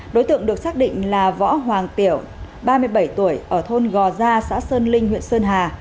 đối tượng được xác định là võ hoàng tiểu ba mươi bảy tuổi ở thôn gò gia xã sơn linh huyện sơn hà